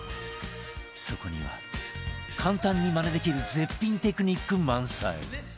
そこには簡単にマネできる絶品テクニック満載